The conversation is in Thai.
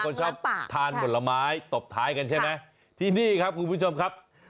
คนชอบทานผลไม้ตบท้ายกันใช่ไหมที่นี่ครับคุณผู้ชมครับ